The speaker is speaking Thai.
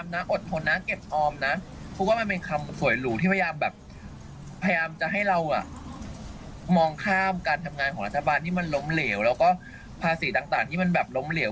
มาปลอมนะก็มันเป็นคำสวยหลู่ที่แบบพยายามจะให้เราย่างมองข้ามการทำงานของรัฐบาลที่มันล้มเหลวเราก็ภาษีต่างที่มันแบบล้มเหลว